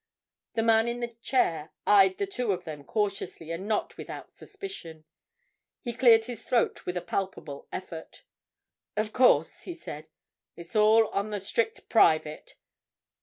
The man in the chair eyed the two of them cautiously, and not without suspicion. He cleared his throat with a palpable effort. "Of course," he said. "It's all on the strict private.